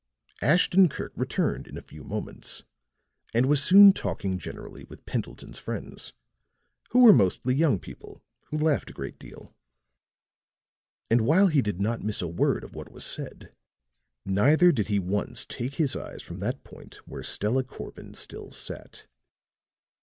Ashton Kirk returned in a few moments, and was soon talking generally with Pendleton's friends, who were mostly young people who laughed a great deal. And while he did not miss a word of what was said, neither did he once take his eyes from that point where Stella Corbin still sat.